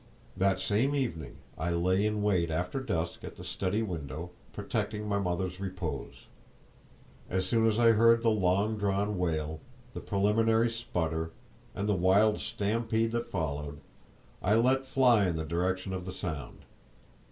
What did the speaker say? That same evening I lay in wait after dusk at the study window, protecting my mother's repose. As soon as I heard the long drawn wail, the preliminary sputter, and the wild stampede that followed, I let fly in the direction of the sound.